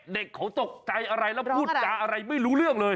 เด็กเขาตกใจอะไรแล้วพูดจาอะไรไม่รู้เรื่องเลย